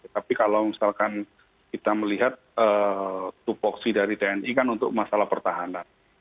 tapi kalau misalkan kita melihat tupoksi dari tni kan untuk masalah pertahanan